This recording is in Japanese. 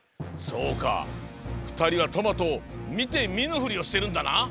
そうかふたりはトマトを見て見ぬふりをしてるんだな？